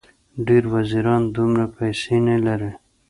ډېر وزیران دومره پیسې نه لري.